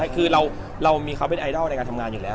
คือเรามีเขาเป็นไอดอลในการทำงานอยู่แล้ว